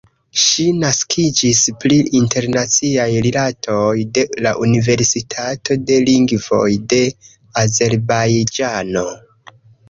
Ŝi fakiĝis pri Internaciaj Rilatoj de la Universitato de Lingvoj de Azerbajĝano.